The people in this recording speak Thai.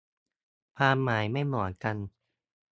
ความหมายไม่เหมือนกัน